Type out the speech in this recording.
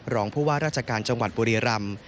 รองผู้ว่าราชการจังหวัดบุรีรำ